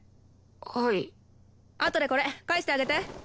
あとでこれ返してあげて。